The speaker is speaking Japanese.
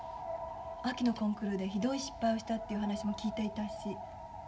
秋のコンクールでひどい失敗をしたっていう話も聞いていたし。